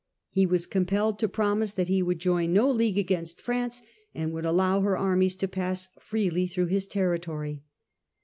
He was compelled to promise that he would join no league against France, and would allow her armies to pass freely through his territory.